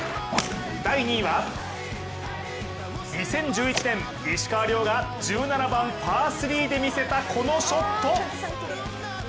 ２０１１年、石川遼が１７番パー３で見せたこのショット。